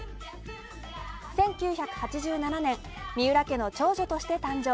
１９８７年水卜家の長女として誕生。